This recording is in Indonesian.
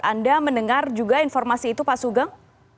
anda mendengar juga informasi itu pak sugeng